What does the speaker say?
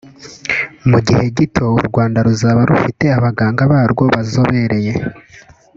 mu gihe gito u Rwanda ruzaba rufite abaganga barwo bazobereye